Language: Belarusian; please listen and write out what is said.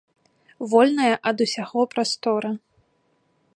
Вольная ад усяго прастора.